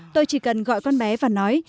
tôi chỉ cần gọi con bé và nói